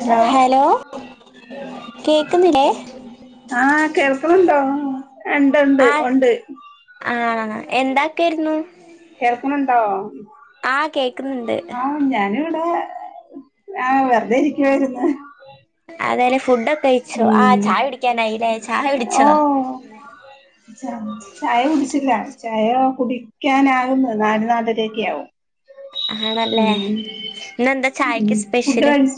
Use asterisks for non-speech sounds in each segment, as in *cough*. Hello hello കേക്കുന്നില്ലേ? ആഹ് കേൾക്കുന്നുണ്ടോ ഇണ്ട്ണ്ട് ആഹ് ഒണ്ട് ആഹ് എന്താക്കായിരുന്നു? കേൾക്കണുണ്ടോ? ആഹ് കേക്കണുണ്ട്. ആഹ് ഞാനിവടെ ആ വെറുതെ ഇരിക്കുവായിരുന്നു. അതെനെ ഫുഡൊക്കെകഴിച്ചോ ആ ഉം ചായ കുടിക്കാനായില്ലേ ചായകുടിച്ചോ? *inaudible* ചം ചായ കുടിച്ചില്ല ചായകുടിക്കാനാകുന്നു നാല് നാലെരൊക്കെയാകും. ആണല്ലേ ഉം, ഇന്നെന്താ ഉം ചായക്ക് സ്പെഷ്യല് ഫുഡകയ്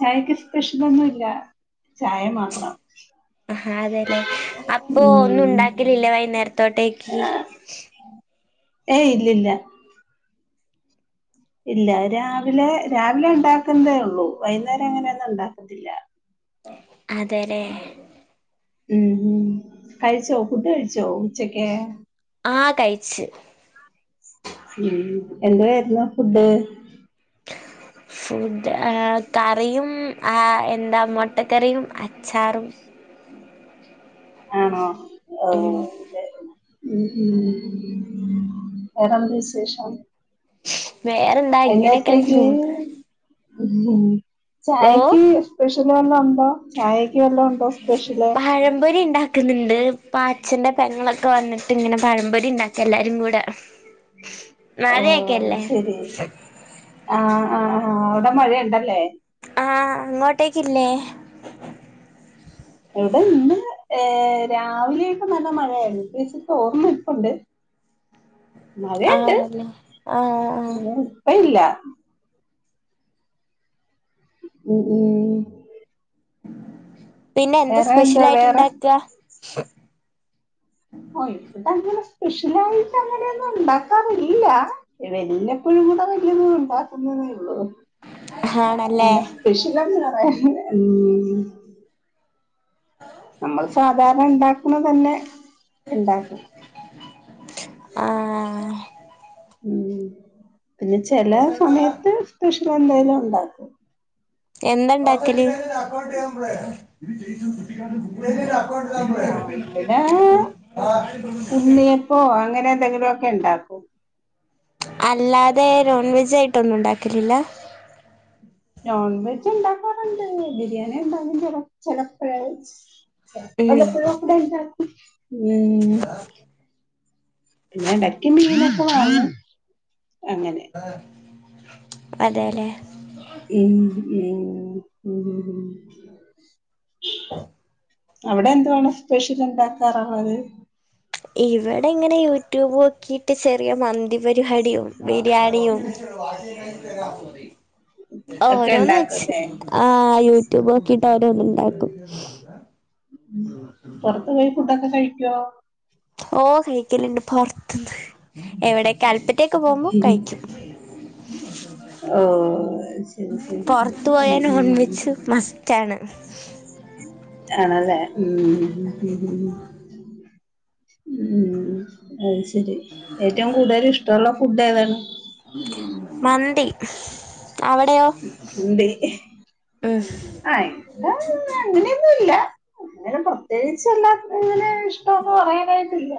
ചായക്ക് സ്പെഷലൊന്നുല്ല ചായമാത്രം. ആഹ് അതെലേ അപ്പൊ ഒന്നും ഉം ഉണ്ടാക്കലില്ലേ വൈകുന്നേരത്തോട്ടേക്ക്? ഏയ് ഇല്ല, ഇല്ല ഇല്ല രാവിലെ രാവിലെണ്ടാക്കുന്നതേ ഉള്ളൂ വൈന്നേരം അങ്ങനെയൊന്നും ഉണ്ടാക്കത്തില്ല. അതെലേ? ഉം, ഉം കഴിച്ചോ ഫുഡ്കഴിച്ചോ ഉച്ചക്ക്? ആഹ് കയ്ച്ച്. ഉം എന്തുവായിരുന്നു ഫുഡ്? ഫുഡ് കറിയുംആ എന്താ മൊട്ടക്കറിയും, അച്ചാറും. ആണോ ഉം ഓഹ്. ഉം, ഉം വേറെന്ത്‌വിശേഷം? വേറെന്താ? ഇങ്ങനെയൊക്കെയങ്ങ് അയ്നേരത്തെക് പോണ് ഹ് ഉം ഓഹ് ചായെക്ക് സ്പെഷ്യല് വല്ലോംഉണ്ടോ? പഴംപൊരി ഇണ്ടാക്കുന്നുണ്ട് പാച്ച്ന്റെ പെങ്ങളൊക്കെ വന്നിട്ട് ഇങ്ങനെ പഴമ്പൊരി ഉണ്ടാക്ക എല്ലാരും കൂടെ ഓഹ് അത് മഴക്കെല്ലേ ശരി ആഹ് ആഹ് ആഹ് അവിടെ മഴയുണ്ടല്ലേ ആഹ് അങ്ങോട്ടേക്കില്ലേ ഇവിടെ ഇന്ന് ഏഹ് രാവിലെ ഒക്കെ നല്ല മഴയായിരുന്നു ഇപ്പ ച്ചി തോർന്ന് ഇപ്പ്ണ്ട് മഴണ്ട് ആണല്ലേ ആഹ് ആഹ് ഇപ്പ ഇല്ല ഉം ഉം പിന്നെ എന്താ വേറെ സ്പെഷ്യലായിട്ട് വേറെ ഇണ്ടാക്കാ ഓ ഇവീടങ്ങനെ സ്പെഷലായിട്ട അങ്ങനെയൊന്നും ഇണ്ടാക്കാറില്ലാ വെല്ലപ്പോഴും കൂടെ വലിയതൂ ഉണ്ടാക്കുന്നതേ ഉള്ളൂ ആണല്ലേ അങ്ങനെ സ്പെഷലെന്ന് പറയാന് ഉം നമ്മൾ സാധാരണ ഇണ്ടാക്ണതെന്നെ ഇണ്ടാക്കും ആഹ് ഉം പിന്നെ ചെല സമയത്ത് സ്പെഷ്യലെന്തേലും ഉണ്ടാക്കും എന്ത ഇണ്ടാക്കല് ആ ഇവിടെ *inaudible* പ്പോ അങ്ങനെ എന്തെങ്കിലും ഒക്കെ ഇണ്ടാക്കും അല്ലാതെ നോൺ വെജ് ആയിട്ടൊന്നും ഉണ്ടാക്കലില്ല നോൺ വെജ് ഉണ്ടാക്കാറുണ്ട് ബിരിയാണി ഇണ്ടാക്കും ചെല ചെലപ്പഴ് ഉം വല്ലപ്പോഴും കൂടെ ഉണ്ടാക്കും മ് പിന്നെ ഇടക്ക് മീനൊക്കെ വാങ്ങും അങ്ങനെ അതെല്ലേ മ് മ് മ് അവിടെ എന്തുവാണ് സ്പെഷ്യല് ഇണ്ടാക്കാറുള്ളത് ഇവിടെ ഇങ്ങനെ യൂട്യൂബോക്കീട്ട് ചെറിയ മന്തി പരിഹാടിയും ബിരിയാണിയും ഒക്കെ ഓരോന്ന് വെച്ച് ഉണ്ടാക്കുംല്ലേ ആഹ് യൂട്യൂബോക്കീട്ട് ഓരോന്ന് ഇണ്ടാക്കും ഉം പോറത്ത് പോയി ഫുഡൊക്കെ കഴിക്കോ? ഓ കഴിക്കലിണ്ട് പോർത്ത്ന്ന് എവിടെ കൽപ്പറ്റേക്ക് പോകുമ്പോ കഴിക്കും. ഓ ശരി ശരി ശരി. പോറത്ത് ഉം പോയാ നോൺ ഉം വെജ്ജ് മസ് റ്റാണ്. ആണല്ലേ? ഉം ഉം ഹ് ഹ് ഹ് ഉം അത് ശരി ഏറ്റവും കൂടുതൽ ഇഷ്ടള്ള ഫുഡ് ഏതാണ്.? മന്തി. അവിടെയോ ന്തി.. ഉം ആഹ് എന്താണ് അങ്ങനെയൊന്നും ഇല്ല അങ്ങനെ പ്രത്യേകിച് എല്ലാം ഇങ്ങനെ ഇഷ് ഇഷ്ട്ടം എന്ന് പറയാനാട്ടില്ല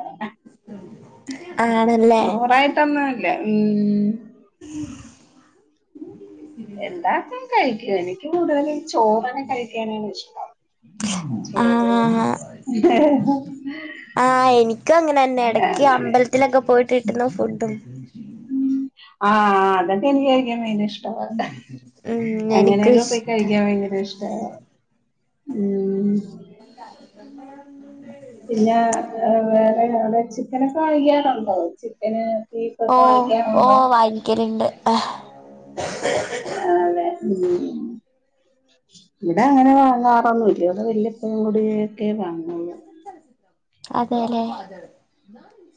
ആണല്ലേ അങ്ങനെ ടന്നുല്ല ഉം *inaudible* എന്താക്ക കഴിക്കും എനിക്ക് കൂടുതല് ചോറാണ് കഴിക്കാനാണ് ഇഷ്ടം. ആ ചോറ് *unintelligible* ആഹ് എനിക്കും അങ്ങനെന്നെ എടക്ക് അങ്ങനെ അമ്പലത്തിലൊക്കെ പോയിട്ട് കിട്ടുന്ന ഫുഡും. ഉം ആഹ് അതെക്കെ എനിക്ക് കഴിക്കാ ഭയകരഷ് ട്ടവാ ഉം എനിക്കും അങ്ങനെയൊക്കെ പോയി ഇഷ്ട കഴിക്കാൻ ഭയങ്കര ഇഷ്ട വാ ഉം *unintelligible* പിന്നെ വേറെ അവടെ ചിക്കനൊക്കെ കാഴിക്കാറുണ്ടോ? ചിക്കന് ബീഫൊക്കെ ഓഹ് ഓ വാങ്ങിക്കാറുണ്ടോ വാങ്ങിക്കലിണ്ട്. ആഹ് അതെ ഉം. ഇവിടെ അങ്ങനെ വാങ്ങാറൊന്നു ഇല്ല. ഇവിടെ വല്ലപ്പോഴും കൂടി ഒക്കെ വാങ്ങുള്ളു. അതെലെ?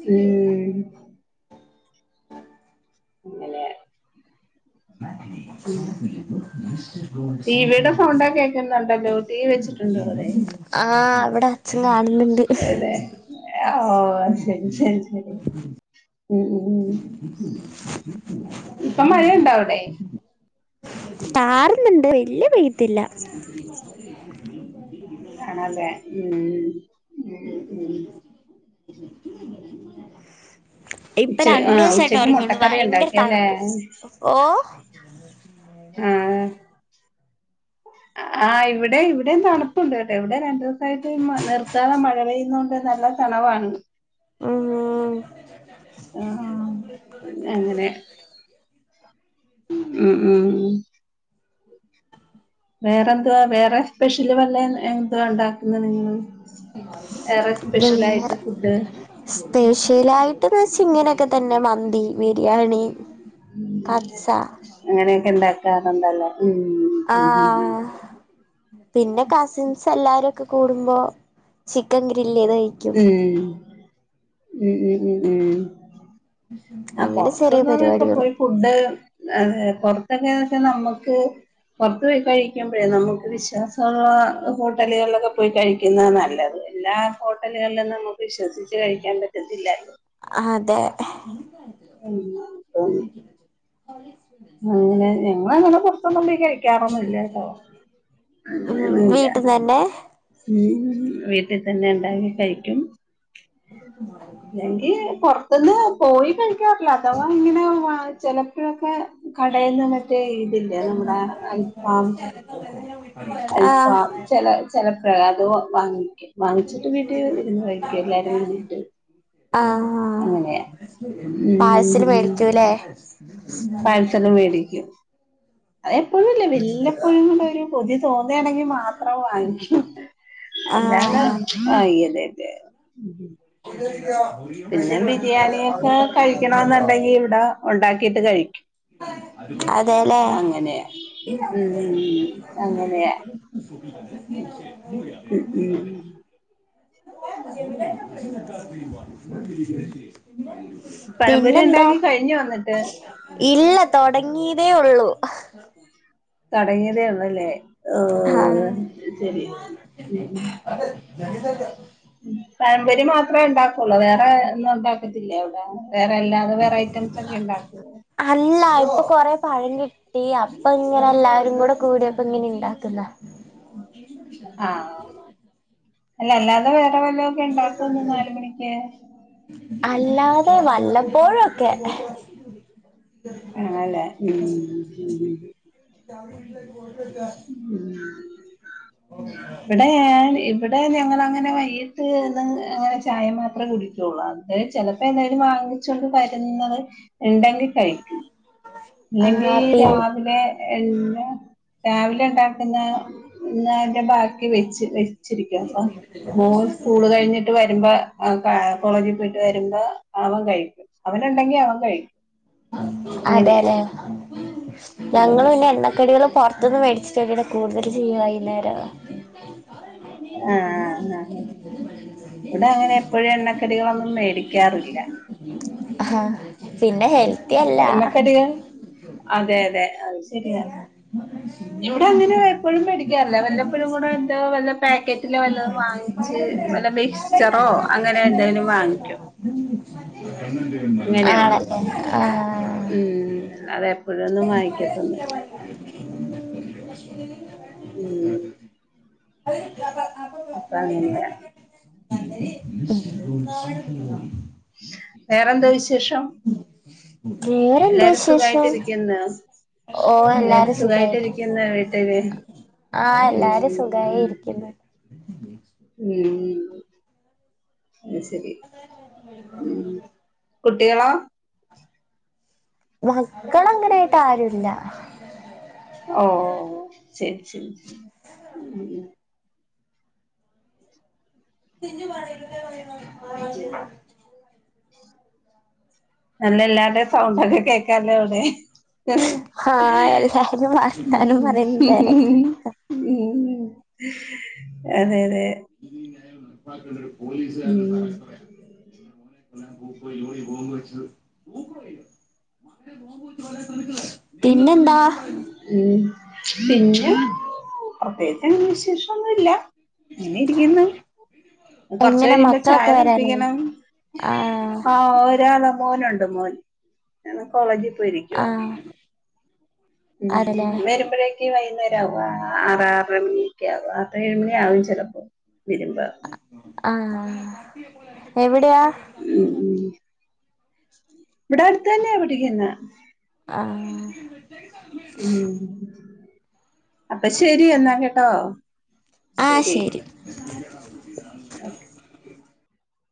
ഉം... *inaudible* ഇന്നലെ. *unintelligible* ടിവിടെ സൗണ്ടൊക്കെ കേക്കു ക്കുന്നുണ്ടല്ലോ, ടി വി വെച്ചിട്ടുണ്ടോ അവിടെ? ആഹ്, ഇവിടെ അച്ഛൻ കാണുന്നുണ്ട്. എവിടെ? ഓഹ് ശരി ശരി ശരി. ഉം ഉം, ഇപ്പൊൾം മഴണ്ടോ അവിടെ? താറുന്നുണ്ട്, വല്ല്യ വെയ്ത്തില്ല. ആണല്ലെ? ഉം ഉം ഉം. *unintelligible* ഇപ്പൊ ഉച്ച ആ രണ്ടിവസായിട്ട് ഉച്ചക്ക് ഒറങ്ങണു. മുട്ടക്കറി ഭയങ്കര ഉണ്ടാക്കിയല്ലേ തണുപ്പും. ഓ... ആഹ് ആ, ഇവിടെ ഇവിടെയും തണുപ്പുണ്ട്ട്ടൊ, ഇവിടെ രണ്ടൂസായിട്ട് നിർത്താതെ മഴ പെയ്യുന്നോണ്ട് നല്ല തണവാണ്. ഉംഉം. ആഹ് ആഹ്, പിന്നെ അങ്ങനെ... ഉം ഉം. വേറെ എന്തുവാ? വേറെ സ്പെഷ്യല് വല്ല എന്തുവാ ഉണ്ടാക്കുന്നത്? നിങ്ങള്- വേറെ സ്പെഷ്യൽ വേറെ ആയിട്ട് ഫുഡ്? സ്പെഷ്യലായിട്ട്ന്ന് വെച്ച ഇങ്ങനെയൊക്കെ തന്നെ മന്തി ബിരിയാണി. കബ്സ അങ്ങനെയൊക്കെ ഇണ്ടാക്കാറുണ്ടല്ലേ? ആഹ്. പിന്നെ കസിൻസ് എല്ലാരൊക്കെ കൂടുമ്പോ ചിക്കൻ ഗ്രില്ലിത് കഴി. ഉം, ഉ ഉം ഉ ഉം... ആ അങ്ങനെ ചെറിയ പൊർത്തുന്ന്ന്നൊക്കെ പരിപാടികള് പോയി ഫുഡ് അതെ പൊറത്തൊക്കെയന്ന് വച്ചാ നമ്മുക്ക്. പൊറത്തു പോയി കഴിക്കുമ്പഴേ നമുക്ക് വിശ്വാസൊള്ളേ ഹോട്ടലുകളിലൊക്കെ.. പോയി കഴിക്കുന്ന നല്ലത്. എല്ലാ ഹോട്ടലുകളിലും നമുക്ക് വിശ്വസിച്ച് കഴിക്കാൻ പറ്റത്തില്ല. അതെ. *unintelligible* അങ്ങനെ ഞങ്ങള ങ്ങനെ പുറതൊ ന്നും പോയി കഴി കാറൊന്നില്ലട്ടൊ, അങ്ങെനെ ഉം ഒന്നും ഇല്യ. വീട്ടിൽ തന്നെ സമയം ഉണ്ടെങ്കിൽ വീട്ടിൽ തന്നെ ഉണ്ടാക്കി കഴിക്കും. *unintelligible* ഇല്ലെങ്കി പുറത്തുന്ന് പോയി കഴിക്കാറില്ല. അഥവാ ഇങ്ങനെ ചില... പ്പോഴൊക്കെ കടെന്ന് മറ്റേ ഇതില്ലേ നമ്മുടെ അൽഫാമ്. ആഹ് അൽഫാമ് ചില ചിലപ അത് വാങ്ങും. വാങ്ങിച്ചിട്ട് വീട്ടിൽ ഇരുന്ന് കഴിക്കും എല്ലാരും കൂടിട്ട്. അ ആഹ്, അങ്ങനെയാ പായ്സൽ മേടിചൂലെ? പായ്സല് മേടിക്കും. അത എപ്പോഴും ഇല്ല. വല്ലപ്പോഴും ക ഒരു കൊതി തോന്നയാണെങ്കി മാത്രം വാങ്ങിക്കും. അല്ലാതെ ആഹ് വാങ്ങലില്ല *unintelligible* പിന്നെ ബിരിയാണി ഒക്കെ കഴിക്കണ എന്നുണ്ടെങ്കി ഇവിടെ ഉണ്ടാക്കിട്ട് കഴിക്കും. അതെലെ? അങ്ങനെയാ ഉം അങ്ങനെയാ ഉം ഉം *unintelligible* *unintelligible* പഴംപൊരി പിന്നെന്താ? ഉണ്ടാക്കി കഴിഞ്ഞോ എന്നിട്ട് ഇല്ല, തൊടങ്ങിതേ ഉള്ളൂ. തുടങ്ങിയതേള്ല്ലേ. ആഹ്. പയം മ്പോരി മാത്രമേ ഉണ്ടാക്കുള്ളൂ വേറെ ഒന്നും ഉണ്ടാക്കത്തില്ലേ അവിടെ. വേറെല്ലാതെ വേറെ ഐറ്റംസ് ഒക്കെ ഉണ്ടാക്കൂ. അല്ല ഇപ്പൊ കൊറെ പഴം കിട്ടി അപ്പൊ ഇങ്ങനല്ല. രും കൂടെ കൂടിയപ്പോ ഇങ്ങനെ ഉണ്ടാക്കുന്ന. ആ അല്ല അല്ലാതെ വേറെ വല്ല. ക്ക ഉണ്ടാക്കും ഒന്ന് നാല് മണിക്ക്. അല്ലാതെ വല്ലപ്പോഴൊക്കെ. ആല്ലേ ഉംആ ഹ് *unintelligible* ഉം ഇവിടെ ഇവിടെ ഞങ്ങളഅങ്ങനെ വൈകിട്ട് അങ്ങനെ ചായ മാത്ര കുടിക്കുള്ളൂ. അതായത് ചിലപ്പോ എന്തായാലും വാങ്ങിച്ചൊണ്ട് വരണത് ഉണ്ടെങ്കിൽ കഴിക്കും. ആ അല്ലെങ്കി പി രാവിലെ എല്ലാ. രാവിലെ ഉണ്ടാക്കുന്നന്റെ ബാക്കി വെച്ച്. ചിരിക്കഅപ്പ മോൻ സ്കൂള് കഴിഞ്. വരുമ്പോ കോളേജിൽ പോയിട്ട് വരുമ്പോ അവൻ കഴിക്കും അവനുണ്ടെങ്കി അവൻ കഴിക്കും. അങ്ങനെയാ അതെല്ലെ ഞങ്ങള് ആഹ് പിന്നെ എണ്ണക്കടികള് പുറത്ന്ന് മേടിച്ചിട്ടണ്. കൂടുതൽ ചെയീ വൈകുന്നേരം. ആ ആ ഇവിടെ അങ്ങനെ എപ്പോഴും എണ്ണക്കടികളൊന്നും മേടിക്കാറില്ല. ആഹ് പിന്നെ ഹേൽ. എണ്ണക്കടികള അതെ അതെ. ശരിയാ ഇവിടെ അങ്ങനെ എപ്പോഴും മേടിക്കാറില്ലേ വല്ലപ്പോഴും കൂടെ എന്താ വല്ല. പാക്കറ്റില് വല്ലതും വാങ്ങിച്ച് വല്ല മിക്സ്ചറോ അങ്ങനെ എന്തേലും വാങ്ങിക്കും. ആണല്ലേ ആ. ഉംഹ് അതെപ്പോഴൊന്നും വാങ്ങിക്കത്തൊന്നുല്ല. ഉംഹ് അപ്പോ അപ്പ അങ്ങനെയാ. *inaudible* വേറെന്താ വിശേഷം. വേറെന്താ എല്ലാരും വിശേഷം സുഖായിട്ടിരിക്കുന്ന. എല്ലാരും സുഖായിട്ട് ഇരിക്കുന്ന വീട്ടില് ആഹ് എല്ലാരും ഉം സുഖായി ഇരിക്കുന്നു ഉം അത്ശരി ഉം. കുട്ടികളോ? മക്കൾ അങ്ങനെയിട്ട് ആരുല്ല. ഓഹ ശരി ശരി. ഉം ഇജിനി പറഞ്ഞതന്നെ പറിണ് ശരി. നല്ല എല്ലാവരുടെ സൗണ്ടാക്കെ കേക്കാലോ അവിടെ. ആഹ ആഹ് എല്ലാരും ഏഹ. വർത്താനം പറയുന്ന തെരക്കാ ഉം അതെ അതെ ഇത് നടപ്പാക്കേണ്ട ഒരു പോലീസുകാരന്റെ ഉം സഹായത്തോടെയാ. എന്റെ മോന്റെ പൂക്കോഴി ജോലി പോകോവെച്. പിന്നെന്താ. ഉം പിന്ന. പ്രത്യേകിച്ച് വിശേഷന്നുല്ല അങ്ങനെ ഇരിക്കുന്നു. കൊറച്ചു എങ്ങനെ കഴിയുമ്പോ ചായ മക്കളൊക്കെ വരാനായി തിളപ്പിക്കണം ആഹ് ഒരാള് മോനുണ്ട്. മോൻ അവന് കോളേജിൽ പോയിരിക്കവാ. ആഹ് ഉം അതല്ലേ *unintelligible* വൈകുന്നേര ആവുക ആറാറര മണിയൊക്കെ ആക ആത്ര ഏഴ് മണി ആകും ചിലപ്പോ വരുമ്പ ആഹ എവിടെയാ ഉം ഉം ഇവിടെ അടുത്ത തന്നെയ പിടിക്കുന്ന ആഹ ഉ അപ്പൊ ശരി എന്നാ കേട്ടോ ശരി *inaudible* ഓക്കെ